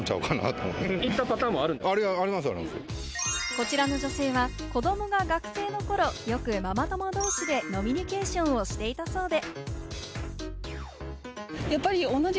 こちらの女性は、子どもが学生の頃、よくママ友同士で飲みニケーションをしていたそうで。